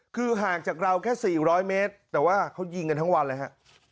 คือห่างจากเราแค่๔๐๐เมตรแต่ว่าเขายิงกันทั้งวันเลยฮะ